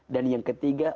dan yang ketiga